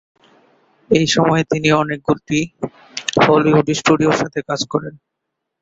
এই সময়ে তিনি বেশ কয়েকটি হলিউড স্টুডিওর সাথে কাজ করেন।